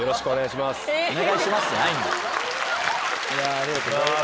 ありがとうございます。